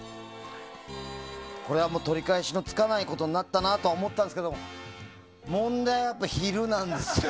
これは取り返しのつかないことになったなとは思ったんですけど問題は昼なんですよ。